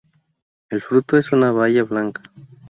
El fruto es una baya blanca.